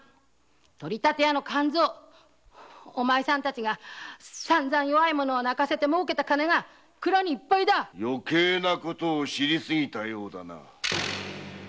取り立て屋の勘造お前さんたちが弱い者泣かせてもうけた金が蔵にいっぱいだ余計な事を生かしてはおけぬ。